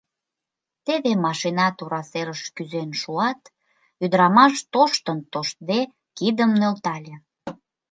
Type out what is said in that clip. Теве машина тура серыш кӱзен шуат, ӱдрамаш, тоштын-тоштде, кидым нӧлтале.